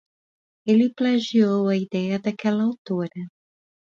Ele plagiou a ideia daquela autora.